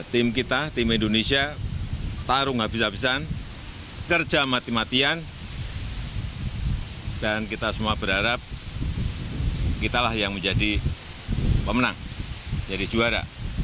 tim kita tim indonesia taruh habis habisan kerja mati matian dan kita semua berharap kitalah yang menjadi pemenang jadi juara